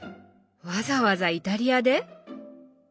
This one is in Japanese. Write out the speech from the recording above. わざわざイタリアで？